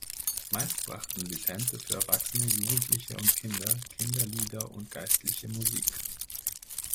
Meist brachten sie Tänze für Erwachsene, Jugendliche und Kinder, Kinderlieder und geistliche Musik.